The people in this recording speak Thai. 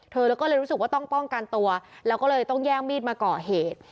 เธอแล้วก็เลยรู้สึกว่าต้องป้องกันตัวแล้วก็เลยต้องแย่งมีดมาก่อเหตุ